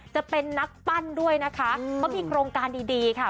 จะเป็นนักปั้นด้วยนะคะเขามีโครงการดีค่ะ